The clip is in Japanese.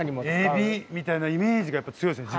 エビみたいなイメージがやっぱ強いですね